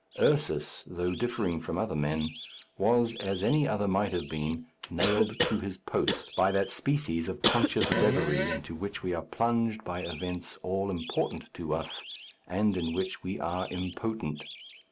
Ursus, though differing from other men, was, as any other might have been, nailed to his post by that species of conscious reverie into which we are plunged by events all important to us, and in which we are impotent.